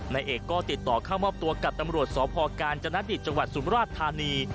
นายเอกก็ติดต่อเข้ามอบตัวกับตำรวจสพกาญจนดิตจังหวัดสุมราชธานี